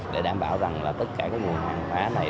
để đảm bảo rằng là tất cả cái nguồn hàng hóa này